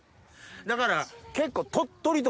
だから結構。